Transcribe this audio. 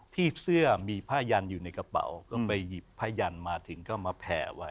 ที่เสื้อมีผ้ายันอยู่ในกระเป๋าก็ไปหยิบผ้ายันมาถึงก็มาแผ่ไว้